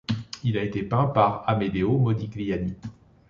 Il a été peint par Amedeo Modigliani.